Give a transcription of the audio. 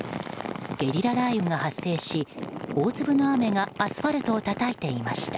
ゲリラ雷雨が発生し大粒の雨がアスファルトをたたいていました。